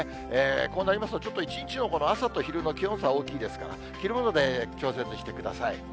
こうなりますと、ちょっと一日の朝と昼の気温差、大きいですから、着るもので調節してください。